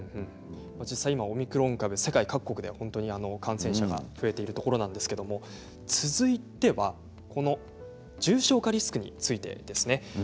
実際、今オミクロン株世界各国で感染者が増えているところなんですけど続いては重症化リスクについてです。